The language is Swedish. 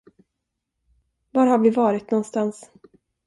Var har vi varit nånstans?